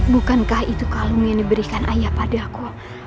bukankah itu kalung yang diberikan ayah pada aku